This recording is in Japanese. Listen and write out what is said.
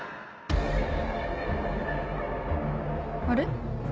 あれ？